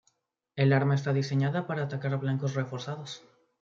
El arma está diseñada para atacar blancos reforzados.